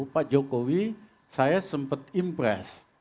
pak jokowi saya sempat impress